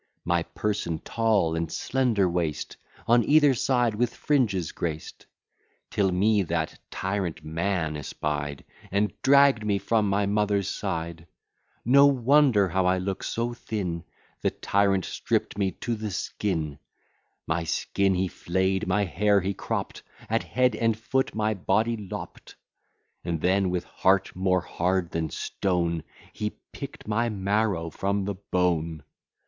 My person tall, and slender waist, On either side with fringes graced; Till me that tyrant man espied, And dragg'd me from my mother's side: No wonder now I look so thin; The tyrant stript me to the skin: My skin he flay'd, my hair he cropt: At head and foot my body lopt: And then, with heart more hard than stone, He pick'd my marrow from the bone.